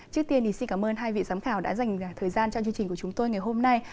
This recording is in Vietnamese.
trước tiên thì xin cảm ơn hai vị giám khảo đã dành thời gian cho chương trình của chúng tôi ngày hôm nay